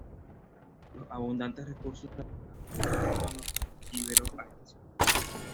Los abundantes recursos naturales atrajeron a los íberos a esta zona.